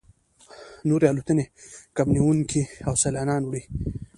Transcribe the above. نورې الوتنې کب نیونکي او سیلانیان وړي